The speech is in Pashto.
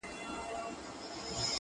د مقدسي فلسفې د پيلولو په نيت،